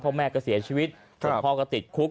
พ่อแม่ก็เสียชีวิตพ่อก็ติดคุก